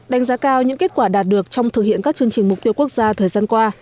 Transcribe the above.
đánh giá cao những kết quả đạt được trong thực hiện các chương trình mục tiêu quốc gia thời gian qua